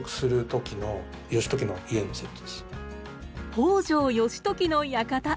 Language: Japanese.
北条義時の館！